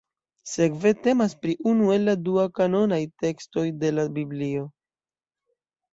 Sekve temas pri unu el la dua-kanonaj tekstoj de la Biblio.